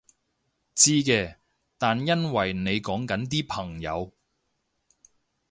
知嘅，但因為你講緊啲朋友